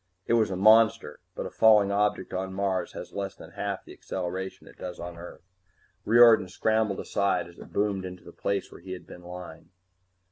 It was a monster, but a falling object on Mars has less than half the acceleration it does on Earth. Riordan scrambled aside as it boomed onto the place where he had been lying.